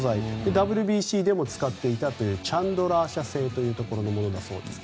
ＷＢＣでも使っていたというチャンドラー社製というところのものだそうですが。